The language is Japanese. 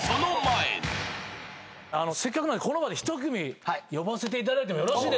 せっかくなんでこの場でひと組呼ばせていただいてもよろしいですか？